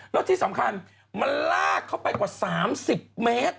แล้วที่สำคัญมันลากเข้าไปกว่า๓๐เมตร